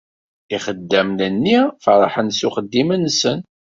Ixaddamen-nni ferḥen s uxeddim-nsen.